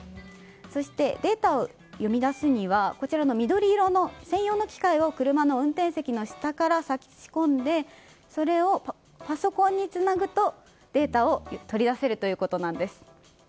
そして、データを読み出すには緑色の専用の機械を車の運転席の下から差し込んでそれをパソコンにつなぐとデータを取り出せるということです。